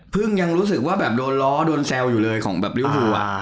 ยังรู้สึกว่าแบบโดนล้อโดนแซวอยู่เลยของแบบริ้ววัว